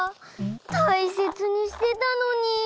たいせつにしてたのに。